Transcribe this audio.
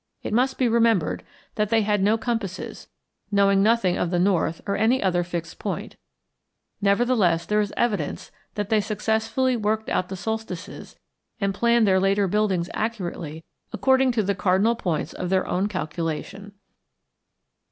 It must be remembered that they had no compasses; knowing nothing of the north or any other fixed point, nevertheless there is evidence that they successfully worked out the solstices and planned their later buildings accurately according to cardinal points of their own calculation.